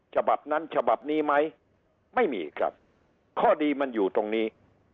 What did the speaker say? ฉบับนั้นฉบับนี้ไหมไม่มีครับข้อดีมันอยู่ตรงนี้